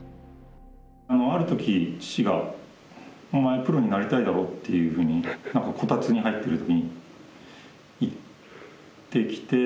ある時父が「お前プロになりたいだろ？」っていうふうにこたつに入ってる時に言ってきて。